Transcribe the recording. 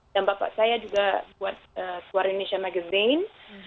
dan bapak saya juga buat suara indonesia magazine